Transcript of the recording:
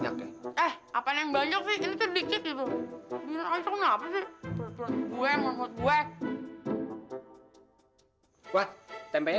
iya pak tapi